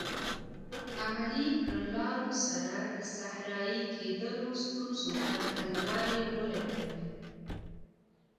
عملي کړنلارو سره د صحرایې کیدلو ستونزو ته حل لارې ولټوي.